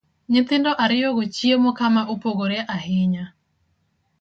Nyithindo ariyo go chiemo kama opogore ahinya,